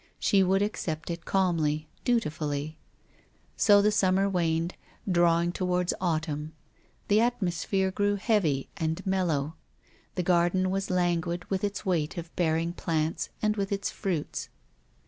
She would accept it calmly, dutifully. So the summer waned, drawing towards autumn. The atmosphere grew heavy and mellow. The garden was languid with its weight of bearing plants and with its fruits.